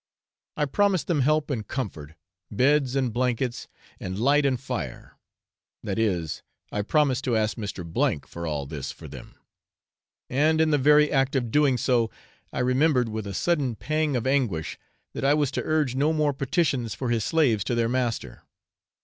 I promised them help and comfort, beds and blankets, and light and fire that is, I promised to ask Mr. for all this for them; and, in the very act of doing so, I remembered with a sudden pang of anguish, that I was to urge no more petitions for his slaves to their master.